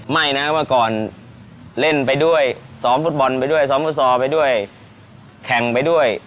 ไม่นะเมื่อก่อนเล่นไปด้วยซ้อมฟุตบอลไปด้วยซ้อมฟุตซอลไปด้วยแข่งไปด้วย